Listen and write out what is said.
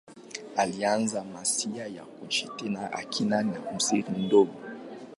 Alianza maisha ya kujitegemea akiwa na umri mdogo.